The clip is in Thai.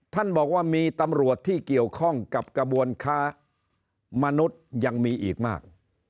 ท่านบอกว่ามีตำรวจที่เกี่ยวข้องกับกระบวนค้ามนุษย์ยังมีอีกมาก